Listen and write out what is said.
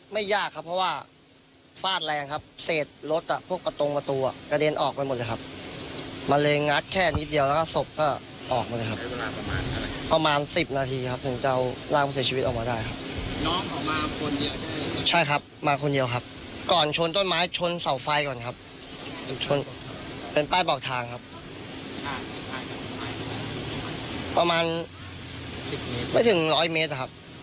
เป็นป้ายบอกทางประมาณไม่ถึง๑๐๐เมตรนะครับ